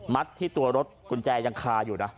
ที่ตัวรถกุญแจยังคาอยู่นะ